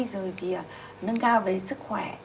rồi thì nâng cao với sức khỏe